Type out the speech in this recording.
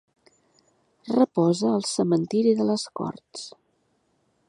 Reposa al Cementiri de les Corts.